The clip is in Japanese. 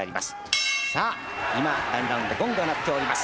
さあ今第２ラウンドゴングが鳴っております。